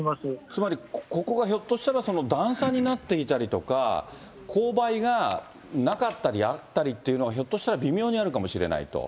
つまり、ここがひょっとしたら段差になっていたりとか、勾配がなかったりあったりっていうのが、ひょっとしたら微妙にあるかもしれないと。